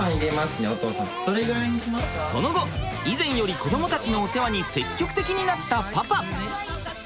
その後以前より子どもたちのお世話に積極的になったパパ。